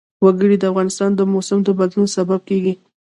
وګړي د افغانستان د موسم د بدلون سبب کېږي.